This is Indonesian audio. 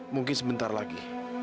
mungkin sebentar lagi